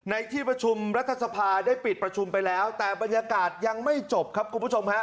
ในที่ประชุมรัฐสภาได้ปิดประชุมไปแล้วแต่บรรยากาศยังไม่จบครับคุณผู้ชมฮะ